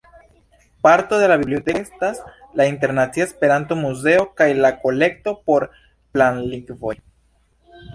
Parto de la biblioteko estas la Internacia Esperanto-Muzeo kaj la Kolekto por Planlingvoj.